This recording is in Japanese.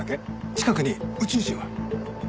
近くに宇宙人は？